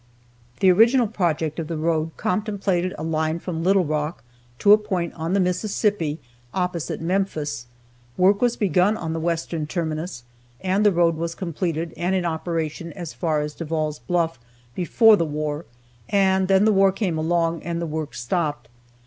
The original project of the road contemplated a line from Little Rock to a point on the Mississippi opposite Memphis. Work was begun on the western terminus, and the road was completed and in operation as far as Devall's Bluff before the war, and then the war came along and the work stopped.